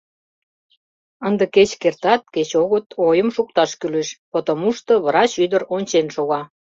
Ынде кеч кертат, кеч огыт, ойым шукташ кӱлеш, потомушто врач ӱдыр ончен шога.